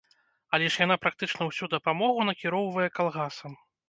Але ж яна практычна ўсю дапамогу накіроўвае калгасам.